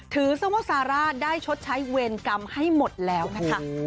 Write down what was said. ซะว่าซาร่าได้ชดใช้เวรกรรมให้หมดแล้วนะคะ